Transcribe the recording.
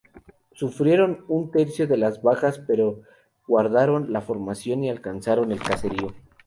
Sufrieron un tercio de las bajas pero guardaron la formación y alcanzaron el caserío.